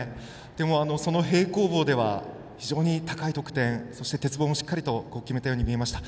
でも、その平行棒では非常に高い得点、そして鉄棒もしっかり決めたように見えました。